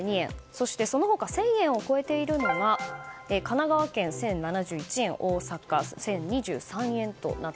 そして、その他１０００円を超えているのが神奈川県、１０７１円大阪、１０２３円と。